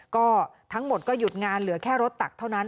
ก็ทั้งหมดก็หยุดงานเหลือแค่รถตักเท่านั้น